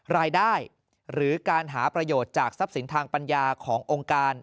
รายได้หรือการหาประโยชน์จากทรัพย์สินทางปัญญาขององค์การ